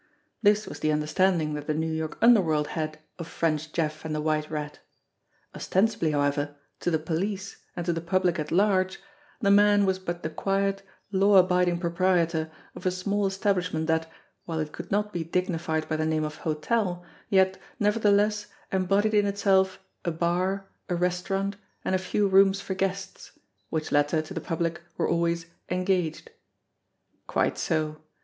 This was the understanding that the New York underworld had of French Jeff and The White Rat; ostensibly, however, to the police, and to the public at large, the man was but the quiet, law abiding pro prietor of a small establishment that, while it could not be dignified by the name of hotel, yet, nevertheless, embodied in itself a bar, a restaurant, and a few rooms for guests which latter, to the public, were always "engaged." Quite so